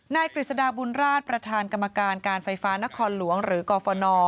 กฤษฎาบุญราชประธานกรรมการการไฟฟ้านครหลวงหรือกรฟน